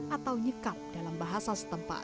atau nyekap dalam bahasa setempat